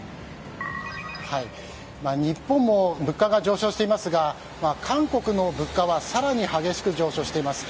日本も物価が上昇していますが韓国の物価はさらに激しく上昇しています。